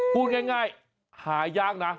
พูดง่ายหายากนะ